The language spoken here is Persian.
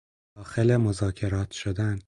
داخل مذاکرات شدن